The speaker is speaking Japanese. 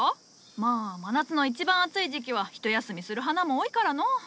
まあ真夏の一番暑い時期はひと休みする花も多いからのう。